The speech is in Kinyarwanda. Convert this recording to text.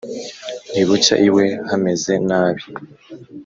ntibucya iwe hameze nabi